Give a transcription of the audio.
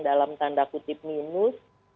dalam tanda kutip minus